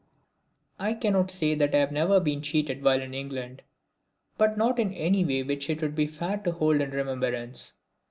I cannot say that I have never been cheated while in England, but not in any way which it would be fair to hold in remembrance.